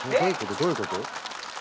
どういうこと？